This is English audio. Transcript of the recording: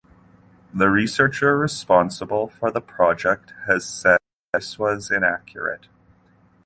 The researcher responsible for the project has said this was inaccurate.